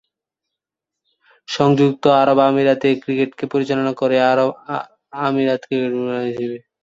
সংযুক্ত আরব আমিরাতে ক্রিকেটকে পরিচালনা করে আমিরাত ক্রিকেট বোর্ড বা ইসিবি।